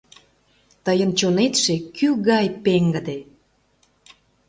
Тыйын чонетше кӱ гай пеҥгыде.